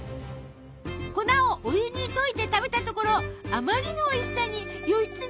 粉をお湯に溶いて食べたところあまりのおいしさに義経感激！